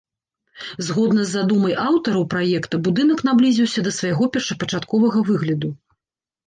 Згодна з задумай аўтараў праекта, будынак наблізіўся да свайго першапачатковага выгляду.